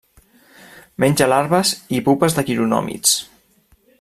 Menja larves i pupes de quironòmids.